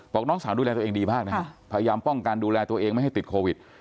น้องสาวดูแลตัวเองดีมากนะฮะพยายามป้องกันดูแลตัวเองไม่ให้ติดโควิด